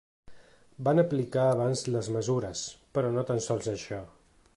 Van aplicar abans les mesures, però no tan sols això.